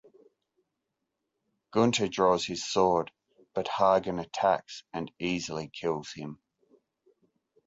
Gunther draws his sword but Hagen attacks and easily kills him.